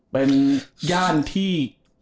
เป็นย่านที่